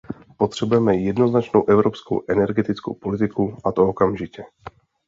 Potřebujeme jednoznačnou evropskou energetickou politiku, a to okamžitě.